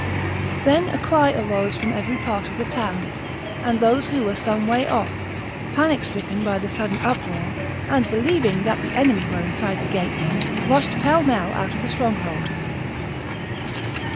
Then a cry arose from every part of the town ; and those who were some way off, panic stricken by the sudden uproar, and believing that the enemy were inside the gates, rushed pell mell out of the stronghold.